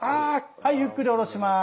はいゆっくりおろします。